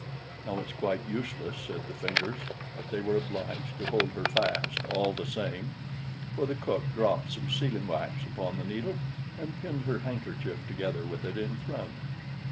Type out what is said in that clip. "Now it's quite useless," said the Fingers; but they were obliged to hold her fast, all the same; for the cook dropped some sealing wax upon the needle, and pinned her handkerchief together with it in front.